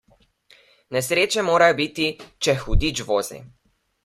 Nesreče morajo biti, če hudič vozi.